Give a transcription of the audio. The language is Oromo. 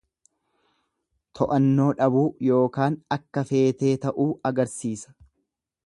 To'annoo dhabuu ykn akka feetee ta'uu agarsiisa.